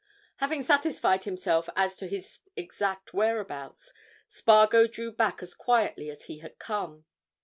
Having satisfied himself as to his exact whereabouts, Spargo drew back as quietly as he had come.